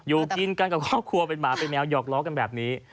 อยู่กินกันกับครอบครัวเป็นหมาเป็นแมวหยอกล้อกันแบบนี้